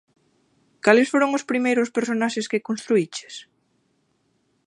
Cales foron os primeiros personaxes que construíches?